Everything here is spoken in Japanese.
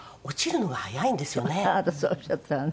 あなたそうおっしゃってたわね。